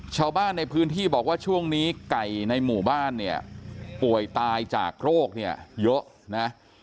ชาวบ้านในพื้นที่บอกว่าช่วงนี้ไก่ในหมู่บ้านเนี่ยป่วยตายจากโรคเนี่ยเยอะนะ